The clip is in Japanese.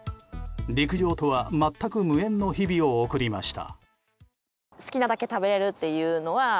陸上とは全く無縁の日々を送りました。